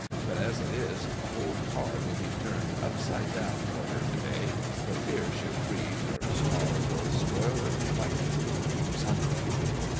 But as it is, the whole car will be turned upside down for her to day, for fear she'll freeze, or starve, or spoil her complexion, or something."